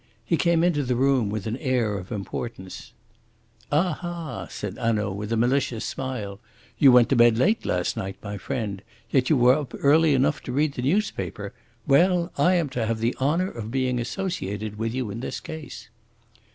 He came into the room with an air of importance. "Aha!" said Hanaud, with a malicious smile. "You went to bed late last night, my friend. Yet you were up early enough to read the newspaper. Well, I am to have the honour of being associated with you in this case."